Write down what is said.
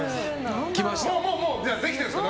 もうできてるんですか？